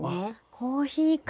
コーヒーか。